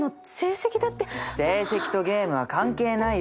成績とゲームは関係ないよ。